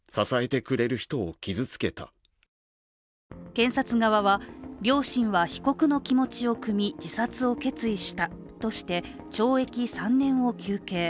検察側は、両親は被告の気持ちをくみ、自殺を決意したとして懲役３年を求刑。